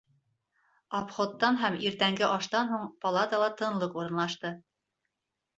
Обходтан һәм иртәнге аштан һуң палатала тынлыҡ урынлашты.